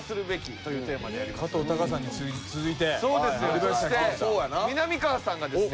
そしてみなみかわさんがですね